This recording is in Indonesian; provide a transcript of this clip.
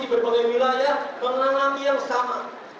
di beberapa wilayah penanggapi yang sama